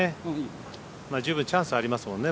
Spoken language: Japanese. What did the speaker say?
十分チャンスはありますもんね